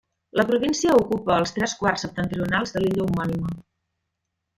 La província ocupa els tres quarts septentrionals de l'illa homònima.